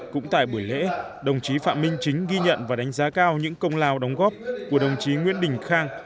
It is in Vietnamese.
cũng tại buổi lễ đồng chí phạm minh chính ghi nhận và đánh giá cao những công lao đóng góp của đồng chí nguyễn đình khang